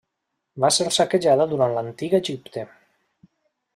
Va ser saquejada durant l'antic Egipte.